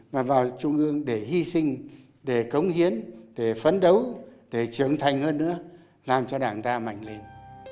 mà vào trung ương để hy sinh để cống hiến để phấn đấu để trưởng thành hơn nữa làm cho đảng ta mạnh lên